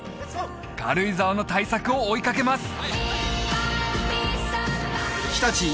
軽井沢の対策を追いかけます